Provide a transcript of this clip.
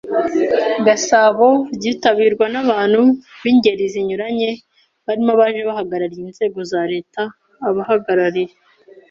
Gasabo ryitabirwa n abantu b ingeri zinyuranye barimo abaje bahagarariye inzego za Leta abahagarariye